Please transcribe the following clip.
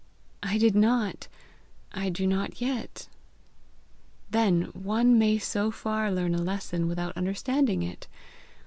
"I did not. I do not yet." "Then one may so far learn a lesson without understanding it!